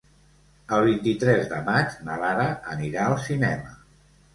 El vint-i-tres de maig na Lara anirà al cinema.